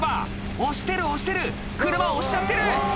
「押してる押してる車押しちゃってる！」